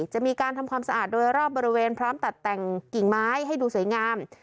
จะมีการทำความสะอาดโดยรอบบริเวณพร้อมตัดแต่งกิ่งไม้ให้ดูสวยงาม